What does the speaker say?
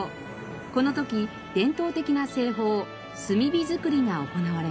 この時伝統的な製法炭火造りが行われます。